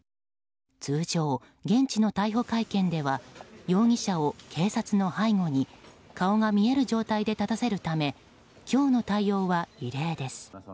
通常、現地の逮捕会見では容疑者を警察の背後に顔が見える状態で立たせるため今日の対応は異例です。